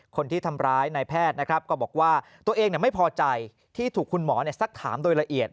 คนที่ทำร้ายนายแพทย์นะครับก็บอกว่าตัวเองไม่พอใจที่ถูกคุณหมอสักถามโดยละเอียด